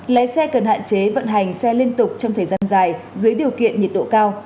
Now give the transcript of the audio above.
lái xe cần hạn chế vận hành xe liên tục trong thời gian dài dưới điều kiện nhiệt độ cao